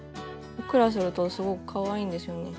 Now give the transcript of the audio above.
ふっくらするとすごくかわいいんですよね。